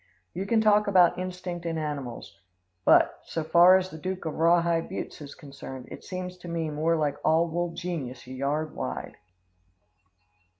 "You can talk about instinct in animals, but, so far as the Duke of Rawhide Buttes is concerned, it seems to me more like all wool genius a yard wide."